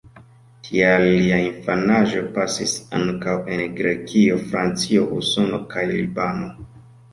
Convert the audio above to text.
Tial lia infanaĝo pasis ankaŭ en Grekio, Francio, Usono kaj Libano.